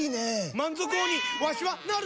満足王にわしはなる！